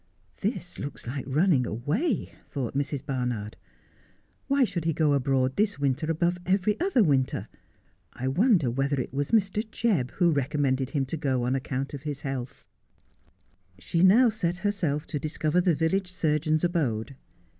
'This looks like running away,' thought Mrs. Barnard. ' Why should he go abroad this winter above every other winter ? I wonder whether it was Mr. Jebb who recommended him to go on account of his health 1 ' She now set herself to discover the village surgeon's abode.